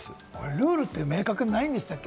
ルールって明確にないんでしたっけ？